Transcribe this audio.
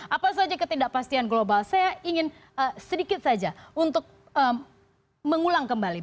apa saja ketidakpastian global saya ingin sedikit saja untuk mengulang kembali